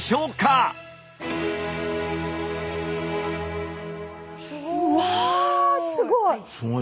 うわすごい！